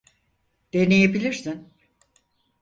Deneyebilirsin.